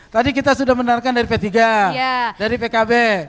tadi kita sudah mendengarkan dari p tiga dari pkb